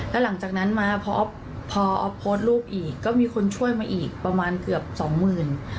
แล้วหลังจากนั้นมาพอออฟโพสต์รูปอีกก็มีคนช่วยมาอีกประมาณเกือบสองหมื่น